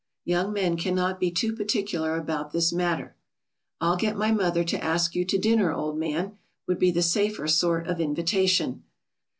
Young men cannot be too particular about this matter. "I'll get my mother to ask you to dinner, old man," would be the safer sort of invitation.